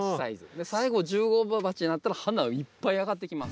最後１０号鉢になったら花いっぱいあがってきます。